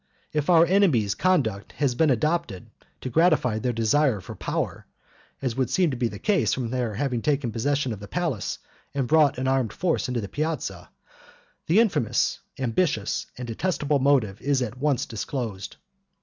If our enemies' conduct has been adopted, to gratify their desire for power (as would seem to be the case from their having taken possession of the palace and brought an armed force into the piazza), the infamous, ambitious, and detestable motive is at once disclosed.